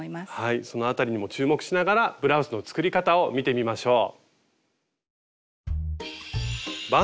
その辺りにも注目しながらブラウスの作り方を見てみましょう。